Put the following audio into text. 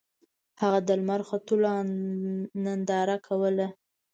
هغه د لمر ختلو ننداره کوله.